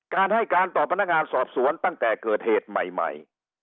การให้การต่อพนักงานสอบสวนตั้งแต่เกิดเหตุใหม่